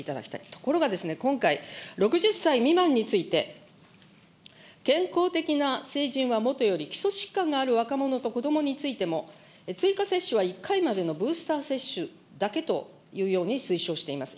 ところが、今回、６０歳未満について、健康的な成人はもとより基礎疾患がある若者と子どもについても、追加接種は１回までのブースター接種だけというように推奨しています。